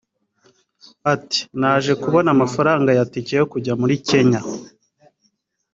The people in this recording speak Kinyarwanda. Ati “Naje kubona amafaranga ya ticket yo kujya muri Kenya